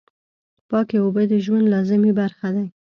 پاکې اوبه د ژوند لازمي برخه دي.